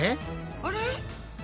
あれ？